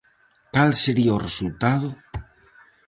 Cal sería o resultado?